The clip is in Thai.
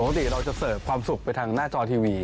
ปกติเราจะเสิร์ฟความสุขไปทางหน้าจอทีวี